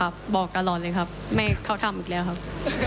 บอกตลอดเลยครับไม่เขาทำอีกแล้วครับ